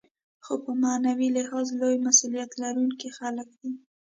خو په معنوي لحاظ لوی مسوولیت لرونکي خلک دي.